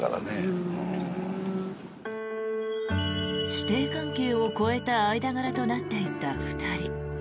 師弟関係を超えた間柄となっていった２人。